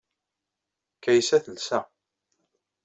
Kaysa tesla.